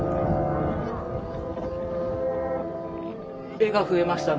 絵が増えましたね。